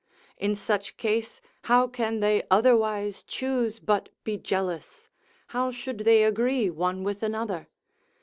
In such case how can they otherwise choose but be jealous, how should they agree one with another?